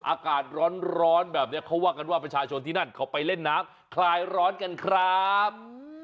อากาศร้อนแบบนี้เขาว่ากันว่าประชาชนที่นั่นเขาไปเล่นน้ำคลายร้อนกันครับ